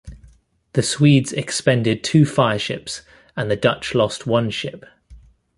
The Swedes expended two fireships and the Dutch lost one ship.